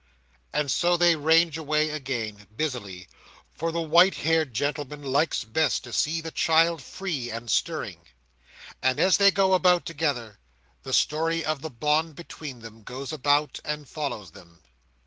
And so they range away again, busily, for the white haired gentleman likes best to see the child free and stirring; and as they go about together, the story of the bond between them goes about, and follows them.